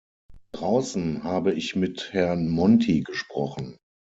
Draußen habe ich mit Herrn Monti gesprochen.